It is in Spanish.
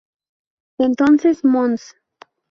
Entonces mons.